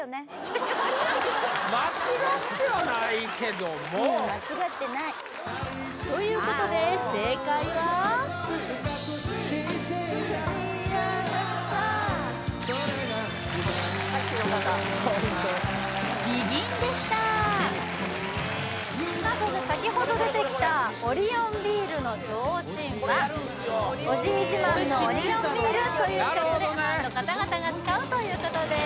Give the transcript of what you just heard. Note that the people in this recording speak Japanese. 間違ってはないけどもうん間違ってないということで正解は深く知っていたいそれが島人ぬ宝ＢＥＧＩＮでしたさあそして先ほど出てきたオリオンビールの提灯は「オジー自慢のオリオンビール」という曲でファンの方々が使うということです